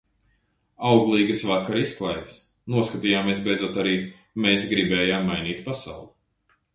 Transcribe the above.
Auglīgas vakara izklaides. Noskatījāmies beidzot arī "Mēs gribējām mainīt pasauli".